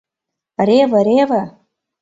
— Реве, реве.